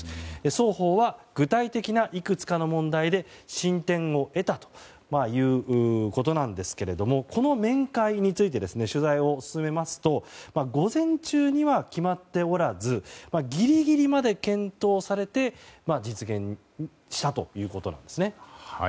双方は具体的ないくつかの問題で進展を得たということなんですがこの面会について取材を進めますと午前中には決まっておらずギリギリまで検討されて実現したということなんです。